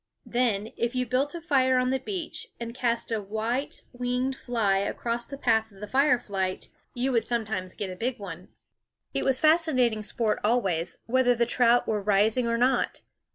Then, if you built a fire on the beach and cast a white winged fly across the path of the firelight, you would sometimes get a big one. It was fascinating sport always, whether the trout were rising or not.